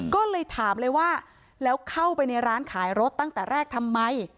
ก็เลยถามเลยว่าแล้วเข้าไปในร้านขายรถตั้งแต่แรกทำไม